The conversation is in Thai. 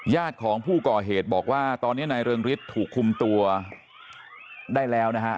ของผู้ก่อเหตุบอกว่าตอนนี้นายเริงฤทธิ์ถูกคุมตัวได้แล้วนะฮะ